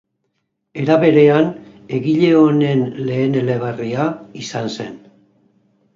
Era berean, egile honen lehen eleberria izan zen.